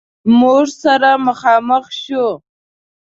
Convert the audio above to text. موږ سره مخامخ شو.